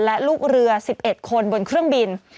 และลูกเรือ๑๑คนบนเครื่องบิน